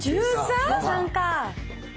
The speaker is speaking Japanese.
⁉１３か。